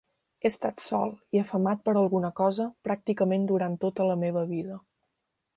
He estat sol i afamat per alguna cosa pràcticament durant tota la meva vida.